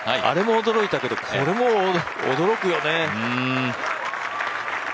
あれも驚いたけどこれも驚くよね。